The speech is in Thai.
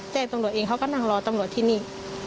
แต่ตำรวจเองเขาก็นั่งรอตำรวจที่นี่